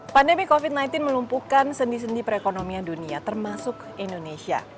pandemi covid sembilan belas melumpuhkan sendi sendi perekonomian dunia termasuk indonesia